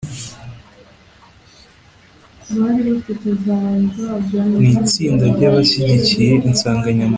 Ni itsinda ry’abashyigikiye insanganyamatsiko.